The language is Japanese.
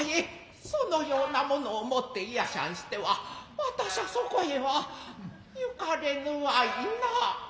その様なものを持っていやしゃんしては私しゃそこへは行かれぬわいなあ。